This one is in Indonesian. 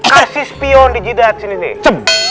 kasih spion di jidat sini nih